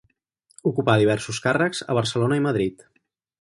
Ocupà diversos càrrecs a Barcelona i Madrid.